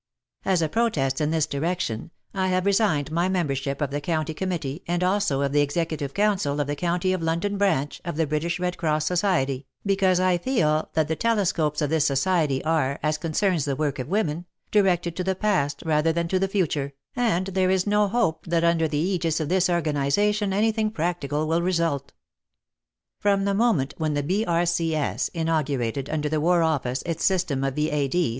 As a protest in this direction, I have resigned my membership of the County Committee, and also of the Executive Council of the County of London branch, of the British Red Cross Society, because I feel that the telescopes of this society are, as concerns the work of women, directed to the Past rather than to the Future, and there is no hope that under the aegis of this organization anything practical will result. From the moment when the B.R.C.S. in augurated, under the War Office, its system of V.A.D.'